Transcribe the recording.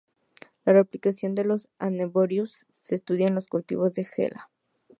La replicación de los adenovirus se estudia en los cultivos de HeLa.